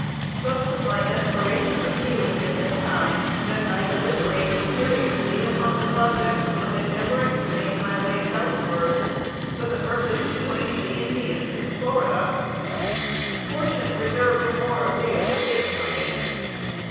Such was my desperation of feeling, at this time, that I deliberated seriously upon the project of endeavoring to make my way southward, for the purpose of joining the Indians in Florida. Fortune reserved a more agreeable fate for me.